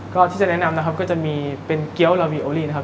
ก็ที่จะแนะนำนะครับก็จะมีเป็นเกี้ยวลาวีโอลี่นะครับ